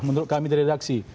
menurut kami di redaksi